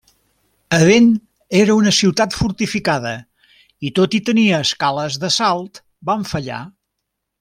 Aden era una ciutat fortificada, i tot i tenir escales d'assalt van fallar.